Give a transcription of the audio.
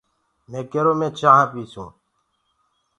مي ڪيرو مي چآنٚه پيٚسونٚ